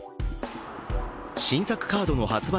新作カードの発売